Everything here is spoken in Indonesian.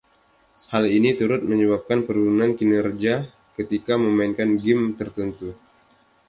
Hal ini turut menyebabkan penurunan kinerja ketika memainkan gim tertentu.